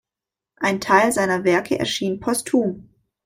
Ein Teil seiner Werke erschien posthum.